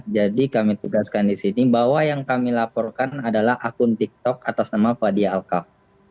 jadi kami tugaskan di sini bahwa yang kami laporkan adalah akun tiktok atas nama fadiyah alkaf